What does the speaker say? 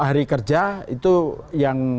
hari kerja itu yang